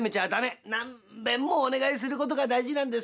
何べんもお願いすることが大事なんですよ。